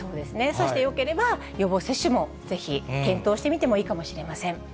そしてよければ予防接種もぜひ、検討してみてもいいかもしれません。